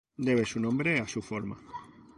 Debe su nombre a su forma.